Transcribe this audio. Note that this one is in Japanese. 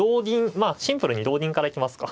まあシンプルに同銀から行きますか。